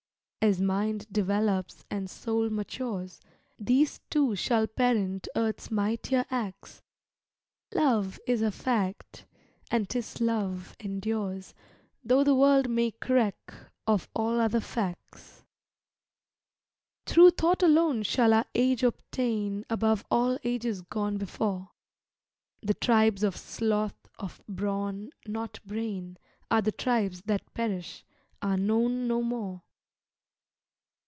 As mind develops and soul matures These two shall parent Earth's mightier acts; Love is a fact, and 'tis love endures 'Though the world make wreck of all other facts. Through thought alone shall our Age obtain Above all Ages gone before; The tribes of sloth, of brawn, not brain, Are the tribes that perish, are known no more.